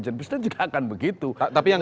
presiden juga akan begitu tapi yang